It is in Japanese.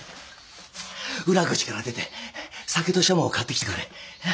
裏口から出て酒とシャモを買ってきてくれ。